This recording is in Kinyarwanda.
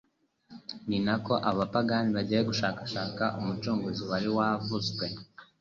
ni nako abo bapagani bagiye gushakashaka Umucunguzi wari wavuzwe.